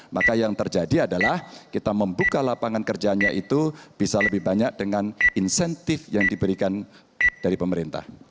maka yang terjadi adalah kita membuka lapangan kerjanya itu bisa lebih banyak dengan insentif yang diberikan dari pemerintah